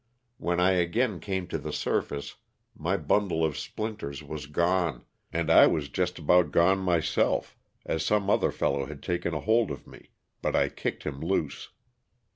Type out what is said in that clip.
When I again came to the surface my bundle of splint ers was gone, and I was just about gone myself as some LOSS OF THE SULTAKA. 129 other fellow had taken a hold of me, but I kicked him loose.